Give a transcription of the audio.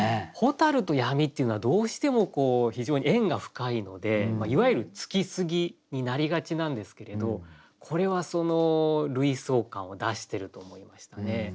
蛍と闇っていうのはどうしても非常に縁が深いのでいわゆる「つきすぎ」になりがちなんですけれどこれはその類想感を出してると思いましたね。